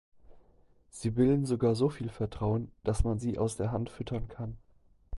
Sie bilden sogar so viel Vertrauen, dass man sie aus der Hand füttern kann.